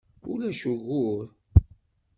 Ulac ugur.